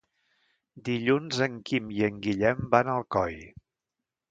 Dilluns en Quim i en Guillem van a Alcoi.